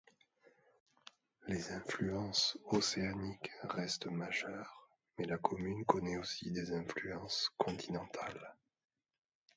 Les influences océaniques restent majeures, mais la commune connaît aussi des influences continentales.